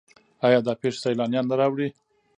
آیا دا پیښې سیلانیان نه راوړي؟